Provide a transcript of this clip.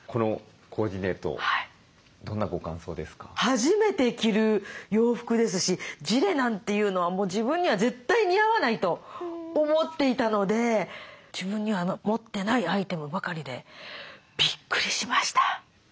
初めて着る洋服ですしジレなんていうのはもう自分には絶対似合わないと思っていたので自分には持ってないアイテムばかりでビックリしました。